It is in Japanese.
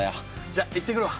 じゃ行ってくるわ。